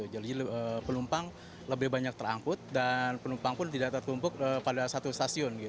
jadi penumpang lebih banyak terangkut dan penumpang pun tidak terkumpuk pada satu stasiun